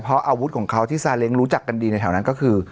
เพราะอาวุธของเขาที่ซาเล้งรู้จักกันดีในแถวนั้นก็คือ